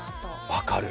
分かる！